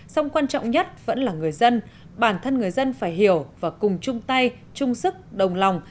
song quan trọng nhất vẫn là người dân bản thân người dân phải hiểu và cùng chung tay chung sức đồng lòng